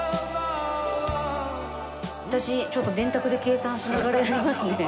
私ちょっと電卓で計算しながらやりますね。